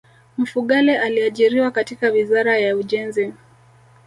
Mfugale aliajiriwa katika wizara ya ujenzi